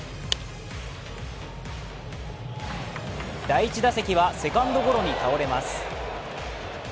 第１打席はセカンドゴロに倒れます。